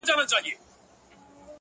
راسه دوې سترگي مي دواړي درله دركړم،